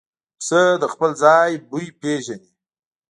پسه د خپل ځای بوی پېژني.